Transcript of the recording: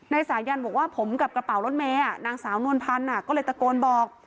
สายันบอกว่าผมกับกระเป๋ารถเมย์นางสาวนวลพันธ์ก็เลยตะโกนบอก